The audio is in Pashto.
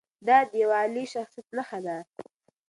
دا د یوه عالي شخصیت نښه ده.